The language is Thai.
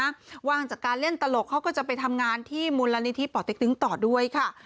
ว่างจากการเล่นตลกเขาก็จะไปทำงานที่มูลนิธิป่อเต็กตึงต่อด้วยค่ะ